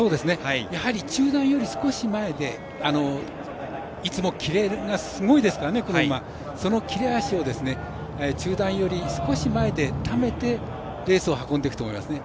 中団より少し前でいつも切れがすごいですからその切れ足を中団より少し前でためてレースを運んでいくと思いますね。